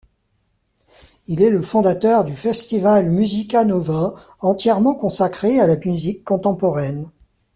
Il est le fondateur du Festival Musica Nova, entièrement consacré à la musique contemporaine.